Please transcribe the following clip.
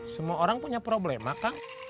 semua orang punya problema kang